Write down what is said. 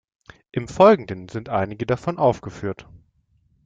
Im Folgenden sind einige davon aufgeführt.